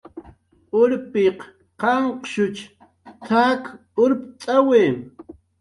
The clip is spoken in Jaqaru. "Urpiq qanqshuch t""ak urpt'ku"